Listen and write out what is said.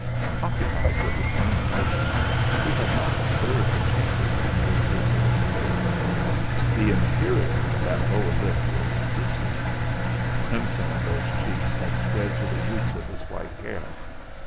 Occupied with his own emotion, he had not observed the change in old Heythorp's face. The imperial on that lower lip was bristling, the crimson of those cheeks had spread to the roots of his white hair.